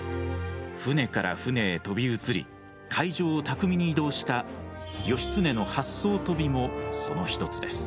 舟から舟へ飛び移り海上を巧みに移動した義経の八艘飛びもその一つです。